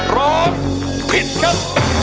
ร้องผิดครับ